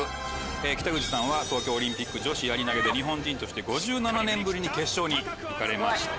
北口さんは東京オリンピック女子やり投げで日本人として５７年ぶりに決勝に行かれました。